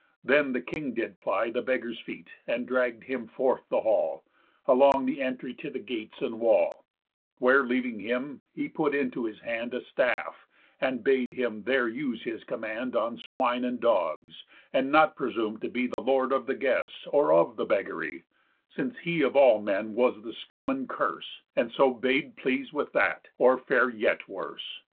Then the king did ply The beggar's feet, and dragg'd him forth the hall, Along the entry, to the gates and wall; Where leaving him, he put into his hand A staff; and bade him there use his command On swine and dogs, and not presume to be Lord of the guests, or of the beggary, Since he of all men was the scum and curse; And so bade please with that, or fare yet worse.